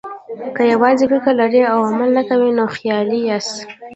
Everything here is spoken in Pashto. که یوازې فکر لرئ او عمل نه کوئ، نو خیالي یاست.